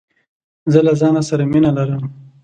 زه له ځانه سره مینه لرم.